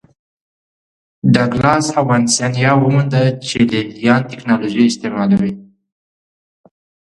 ډاګلاس او وانسینا ومونده چې لې لیان ټکنالوژي استعملوي